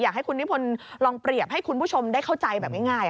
อยากให้คุณนิพนธ์ลองเปรียบให้คุณผู้ชมได้เข้าใจแบบง่าย